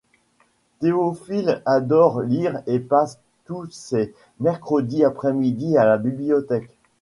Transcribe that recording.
Théophile adore lire et passe tous ses mercredis après-midi à la bibliothèque.